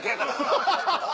ハハハハ！